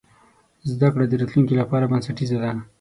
زده کړه د راتلونکي لپاره بنسټیزه ده.